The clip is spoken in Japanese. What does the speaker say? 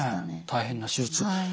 ねえ大変な手術。